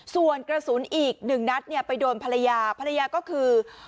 ส่วนกระสุนอีก๑นัทไปโดนภรรยาภรรยาก็คือ